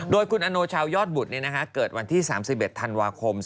โดยคุณอโนชาวยอดบุตรเกิดวันที่๓๑ธันวาคม๒๕๖